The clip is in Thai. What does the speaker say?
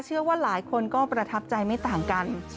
เชื่อว่าหลายคนก็ประทับใจไม่ต่างกัน